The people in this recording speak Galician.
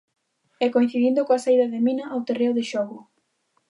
E coincidindo coa saída de Mina ao terreo de xogo.